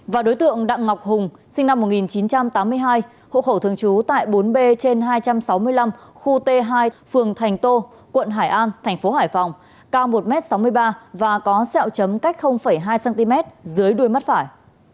và đối tượng đặng ngọc hùng sinh năm một nghìn chín trăm tám mươi hai hộ khẩu thường trú tại bốn b trên hai trăm sáu mươi năm khu t hai phường thành tô quận hải an thành phố hải phòng cao một m sáu mươi ba và có sẹo chấm cách hai cm dưới đuôi mắt phải